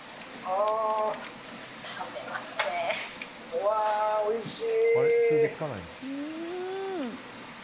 うわー、おいしい！